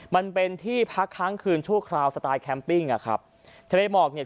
มันเป็นที่พักค้างคืนชั่วคราวสไตล์แคมปิ้งอ่ะครับทะเลหมอกเนี่ย